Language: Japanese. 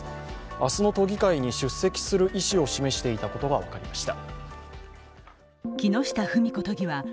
明日の都議会に出席する意思を示していたことが分かりました。